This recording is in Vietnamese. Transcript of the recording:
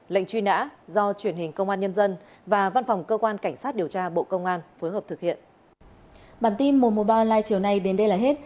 lệnh truy nã do truyền hình công an nhân dân và văn phòng cơ quan cảnh sát điều tra bộ công an phối hợp thực hiện